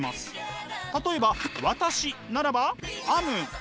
例えば私ならばａｍ。